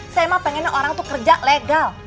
saya emang pengennya orang tuh kerja legal